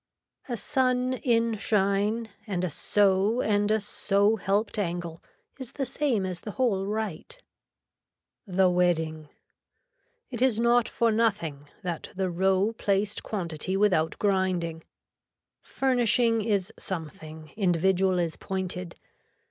A sun in shine, and a so and a so helped angle is the same as the whole right. THE WEDDING It is not for nothing that the row placed quantity without grinding. Furnishing is something, individual is pointed.